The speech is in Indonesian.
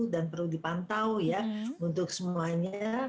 dan perlu dipantau untuk semuanya